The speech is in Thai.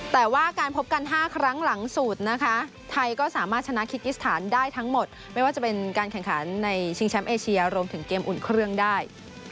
แต่ว่าการพบกัน๕ครั้งหลังสุดนะคะไทยก็สามารถชนะคิกิสถานได้ทั้งหมดไม่ว่าจะเป็นการแข่งขันในชิงแชมป์เอเชียรวมถึงเกมอุ่นเครื่องได้